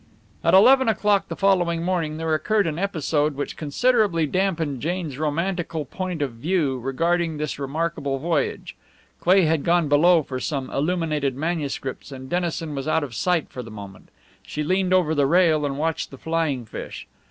At eleven o'clock the following morning there occurred an episode which considerably dampened Jane's romantical point of view regarding this remarkable voyage. Cleigh had gone below for some illuminated manuscripts and Dennison was out of sight for the moment. She leaned over the rail and watched the flying fish.